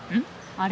あれ？